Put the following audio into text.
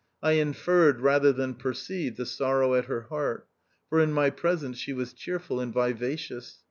I inferred rather than perceived the sorrow at her heart, for in my presence she was cheerful and vivacious.